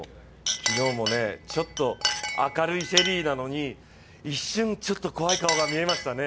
昨日もちょっと明るいシェリーなのに一瞬、怖い顔が見えますね。